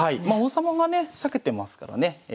まあ王様がね避けてますからね